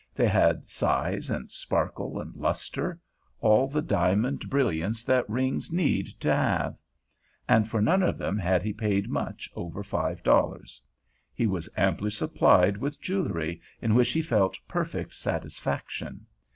They had size and sparkle and luster, all the diamond brilliance that rings need to have; and for none of them had he paid much over five dollars. He was amply supplied with jewelry in which he felt perfect satisfaction.